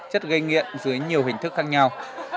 chất gây nghiện dưới nhiều hình thức khác nhau